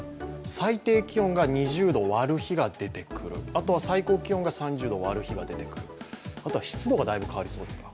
最低気温が２０度を割る日が出てくる、あとは最高気温が３０度を割る日が出てくるあとは湿度がだいぶ変わりそうですか？